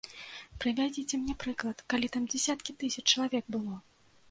Прывядзіце мне прыклад, калі там дзясяткі тысяч чалавек было?